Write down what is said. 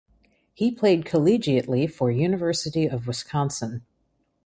He played collegiately for University of Wisconsin.